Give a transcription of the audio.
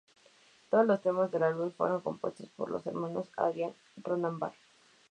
Todos los temas del álbum fueron compuestos por los hermanos Adrián y Ronan Bar.